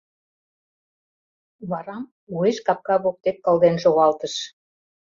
Варам уэш капка воктек кылден шогалтыш.